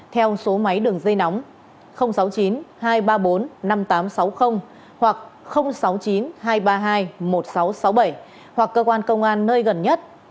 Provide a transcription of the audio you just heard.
theo số máy đường dây nóng sáu mươi chín hai trăm ba mươi bốn năm nghìn tám trăm sáu mươi hoặc sáu mươi chín hai trăm ba mươi hai một nghìn sáu trăm sáu mươi bảy hoặc cơ quan công an nơi gần nhất